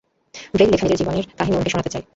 ব্রেইলে লেখা নিজের জীবনের কাহিনী ওনাকে শোনাতে চায়।